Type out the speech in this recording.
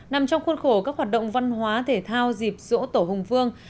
nằm trong khuôn khổ các hoạt động văn hóa thể thao dịp dỗ tổ hùng vương